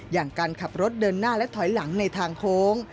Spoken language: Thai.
อย่างการขับรถเดินหน้าและถอยหลังในทางโค้ง